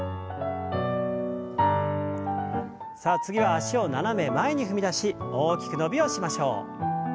さあ次は脚を斜め前に踏み出し大きく伸びをしましょう。